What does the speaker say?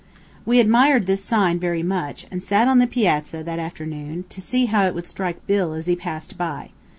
We admired this sign very much, and sat on the piazza, that afternoon, to see how it would strike Bill, as he passed by.